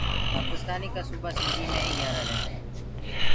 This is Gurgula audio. پآڪِستآني ڪآ سوُبآ سندهيٚ مينٚ ئي گھِيآرآ ريهدآئين۔